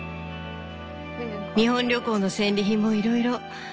日本旅行の戦利品もいろいろ。